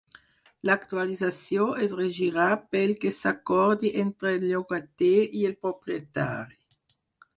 L'actualització es regirà pel que s'acordi entre el llogater i el propietari.